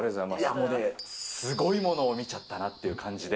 もうね、すごいものを見ちゃったなという感じで。